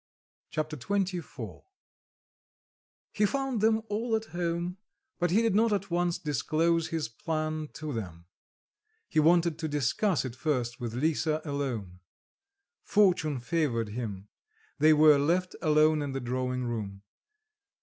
Chapter XXIV He found them all at home, but he did not at once disclose his plan to them; he wanted to discuss it first with Lisa alone. Fortune favoured him; they were left alone in the drawing room.